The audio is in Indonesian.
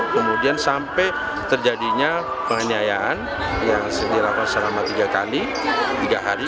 kemudian sampai terjadinya penganiayaan yang dilakukan selama tiga kali tiga hari